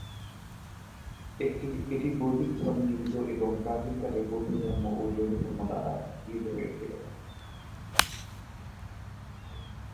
এটি বৈদিক ধর্মে নিহিত এবং প্রাচীনকালে বৌদ্ধধর্ম ও জৈনধর্ম দ্বারা গৃহীত হয়েছিল।